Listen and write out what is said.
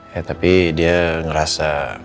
ya tapi dia ngerasa